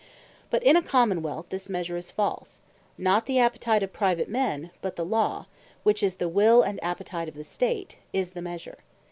But in a Common wealth this measure is false: Not the Appetite of Private men, but the Law, which is the Will and Appetite of the State is the measure.